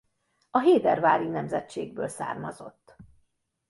A Hédervári nemzetségből származott.